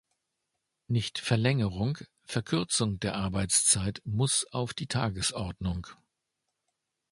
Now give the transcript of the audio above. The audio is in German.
Nicht Verlängerung, Verkürzung der Arbeitszeit muss auf die Tagesordnung!